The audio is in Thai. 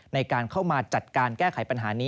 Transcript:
ในการเข้ามาจัดการแก้ไขปัญหานี้